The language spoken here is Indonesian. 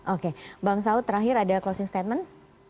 oke bang saud terakhir ada closing statement